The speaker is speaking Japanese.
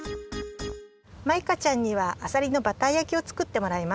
マイカちゃんにはあさりのバター焼きをつくってもらいます。